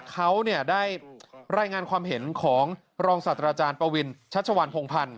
เขาได้รายงานความเห็นของรองสัตว์อาจารย์ปะวินชัชวัณภงพันธ์